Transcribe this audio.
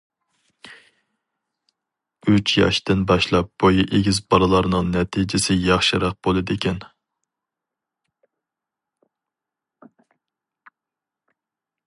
ئۈچ ياشتىن باشلاپ بويى ئېگىز بالىلارنىڭ نەتىجىسى ياخشىراق بولىدىكەن.